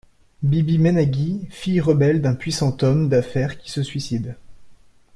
Bibi Mainaghi, fille rebelle d'un puissant homme d'affaires qui se suicide.